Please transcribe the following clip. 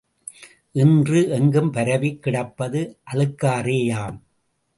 இன்று எங்கும் பரவிக் கிடப்பது அழுக்காறேயாம்.